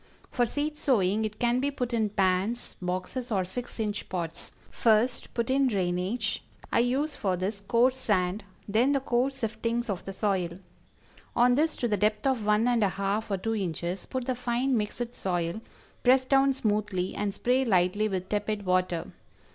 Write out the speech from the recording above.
For seed sowing it can be put in pans, boxes or six inch pots. First, put in drainage I use for this coarse sand then the coarse siftings of the soil. On this to the depth of one and a half or two inches, put the fine mixed soil, press down smoothly and spray lightly with tepid water.